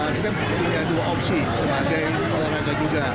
kita punya dua opsi sebagai olahraga juga